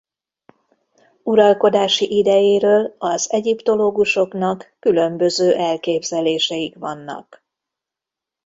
Uralkodási idejéről az egyiptológusoknak különböző elképzeléseik vannak.